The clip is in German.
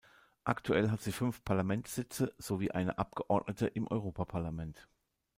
Aktuell hat sie fünf Parlamentssitze sowie eine Abgeordnete im Europaparlament.